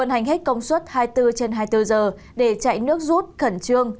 hành hết công suất hai mươi bốn trên hai mươi bốn giờ để chạy nước rút khẩn trương